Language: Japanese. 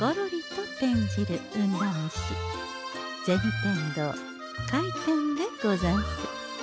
天堂開店でござんす。